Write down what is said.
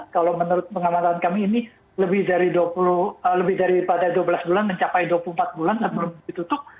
kalau menurut pengamatan kami ini lebih daripada dua belas bulan mencapai dua puluh empat bulan dan belum ditutup